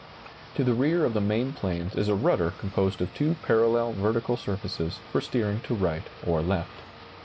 To the rear of the main planes is a rudder composed of two parallel vertical surfaces for steering to right or left.